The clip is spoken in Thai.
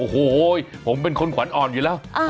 โอ้โหผมเป็นคนขวัญอ่อนอยู่แล้ว